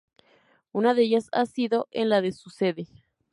Una de ellas ha sido en la de su sede.